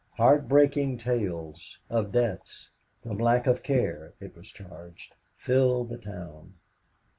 Heartbreaking tales of deaths, from lack of care, it was charged, filled the town.